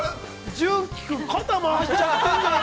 純喜君、肩回しちゃってるじゃない。